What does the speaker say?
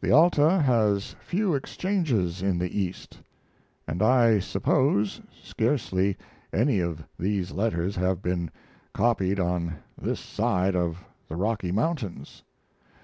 The Alta has few exchanges in the East, and I suppose scarcely any of these letters have been copied on this side of the Rocky Mountains.